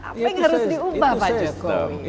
apa yang harus diubah pak jokowi